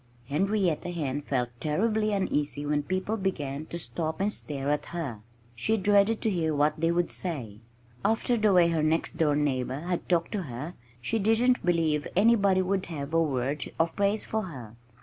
Henrietta Hen felt terribly uneasy when people began to stop and stare at her. She dreaded to hear what they would say. After the way her next door neighbors had talked to her she didn't believe anybody would have a word of praise for her.